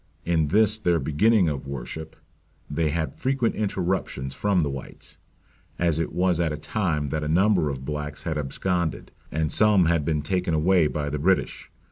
In this their beginning of worship they had frequent interruptions from the whites; as it was at a time that a number of blacks had absconded, and some had been taken away by the British.